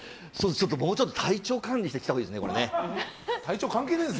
もうちょっと体調管理してから来たほうがいいですね。